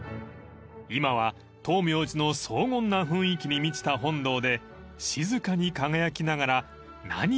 ［今は燈明寺の荘厳な雰囲気に満ちた本堂で静かに輝きながら何を思うのでしょうか］